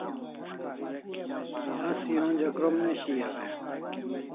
Asi onja krom ne shiau e?